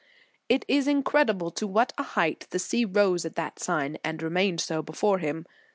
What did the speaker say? It is incredible to what a height the sea rose at that sign, and remained so before him.